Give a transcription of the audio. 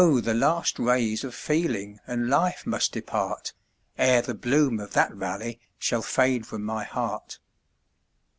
the last rays of feeling and life must depart, Ere the bloom of that valley shall fade from my heart.